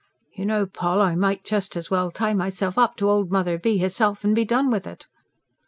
("You know, Poll, I might just as well tie myself up to old Mother B. herself and be done with it!")